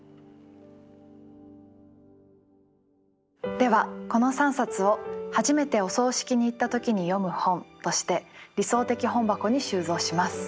ではこの３冊を「初めてお葬式に行った時に読む本」として理想的本箱に収蔵します。